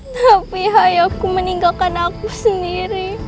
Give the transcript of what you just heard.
tapi ayahku meninggalkan aku sendiri